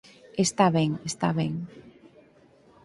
Está ben, está ben.